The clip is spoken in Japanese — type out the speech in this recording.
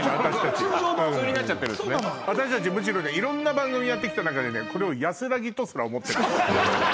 私たちむしろねいろんな番組やってきた中でこれを安らぎとすら思ってる。